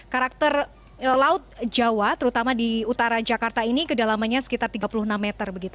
karakter laut jawa terutama di utara jakarta ini kedalamannya sekitar tiga puluh enam meter begitu